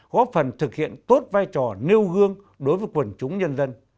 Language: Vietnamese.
góp phần thực hiện tốt vai trò nêu gương đối với quần chúng nhân dân